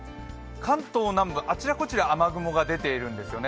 関東南部あちらこちら雨雲が出ているんですよね。